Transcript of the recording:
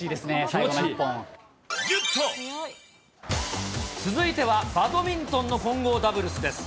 最後の一続いては、バドミントンの混合ダブルスです。